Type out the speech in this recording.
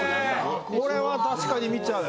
・これは確かに見ちゃう